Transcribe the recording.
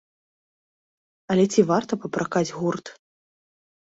Але ці варта папракаць гурт?